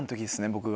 僕が。